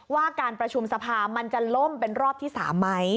ว่าการประชุมสภามันจะล่มเป็นรอบที่๓ไหม